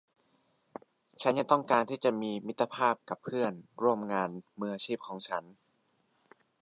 ฉันยังต้องการที่จะมีมิตรภาพกับเพื่อนร่วมงานมืออาชีพของฉัน